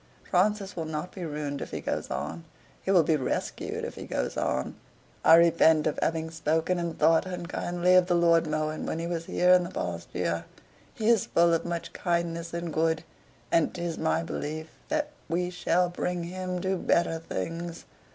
"Francis will not be ruined if he goes on; he will be rescued if he goes on. I repent of having spoken and thought unkindly of the Lord Mohun when he was here in the past year. He is full of much kindness and good; and 'tis my belief that we shall bring him to better things.